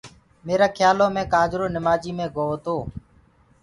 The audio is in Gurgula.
ميرآ کيآلو مي ڪآجرو نمآجيٚ مي گوو تو